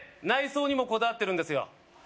内装にもこだわってるんですよ